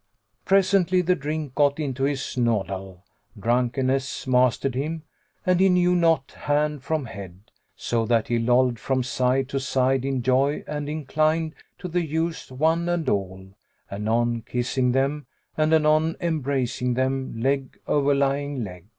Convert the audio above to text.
Presently the drink got into his noddle, drunkenness mastered him and he knew not hand from head, so that he lolled from side to side in joy and inclined to the youths one and all, anon kissing them and anon embracing them leg overlying leg.